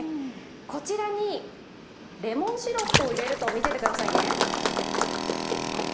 こちらにレモンシロップを入れると見ていてくださいね。